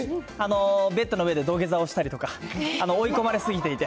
ベッドの上で土下座をしたりとか、追い込まれ過ぎていて。